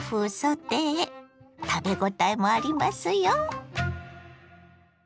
食べごたえもありますよ。